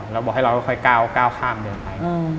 เราบอกให้เราค่อยก้าวข้ามเดินไป